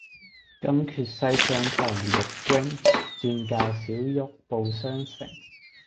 金闕西廂叩玉扃，轉教小玉報雙成。